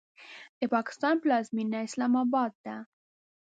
د پاکستان پلازمینه اسلام آباد ده.